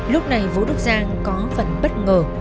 lúc này vũ đức giang có phần bất ngờ